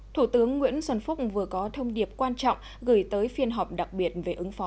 thủ tướng nguyễn xuân phúc vừa có thông điệp quan trọng gửi tới phiên họp đặc biệt về ứng phó